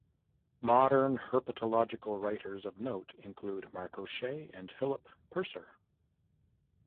Modern herpetological writers of note include Mark O'Shea and Philip Purser.